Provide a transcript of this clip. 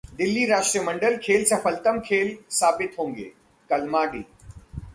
दिल्ली राष्ट्रमंडल खेल सफलतम खेल साबित होंगे: कलमाडी